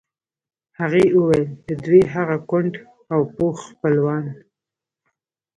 هغې وویل د دوی هغه کونډ او پوخ خپلوان.